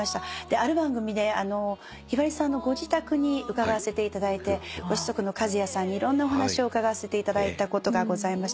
ある番組でひばりさんのご自宅に伺わせていただいてご子息の和也さんにいろんなお話を伺わせていただいたことがございました。